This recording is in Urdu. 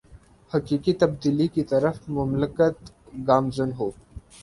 حقیقی تبدیلی کی طرف مملکت گامزن ہو